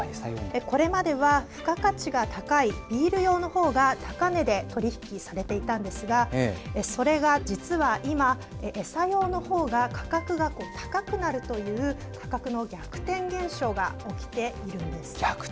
これまでは付加価値が高いビール用の方が高値で取り引きされていたんですがそれが実は今、餌用の方が価格が高くなるという価格の逆転現象が起きているんです。